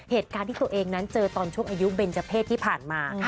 เหตุการณ์ที่ตัวเองนั้นเจอตอนช่วงอายุเบนเจอร์เพศที่ผ่านมา